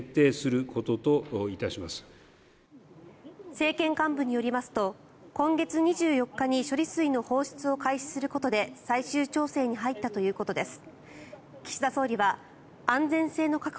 政権幹部によりますと今月２４日に処理水の放出を開始することで最終調整に入ったということです。